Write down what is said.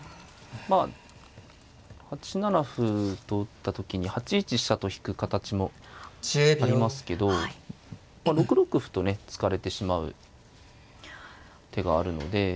まあ８七歩と打った時に８一飛車と引く形もありますけど６六歩とね突かれてしまう手があるので。